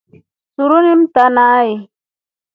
Suru ni ntaa nai.